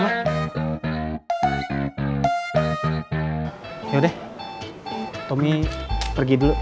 yaudah tomi pergi dulu